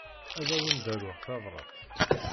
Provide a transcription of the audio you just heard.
Ad awen-d-aruɣ tabṛat.